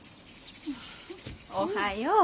おはよう。